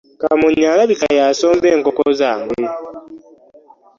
Kamunye alabika y'asomba enkoko zange.